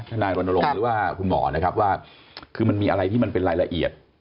นายรณรงค์หรือว่าคุณหมอนะครับว่าคือมันมีอะไรที่มันเป็นรายละเอียด